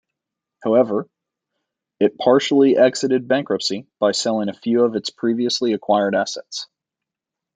However, it partially exited bankruptcy by selling few of its previously acquired assets.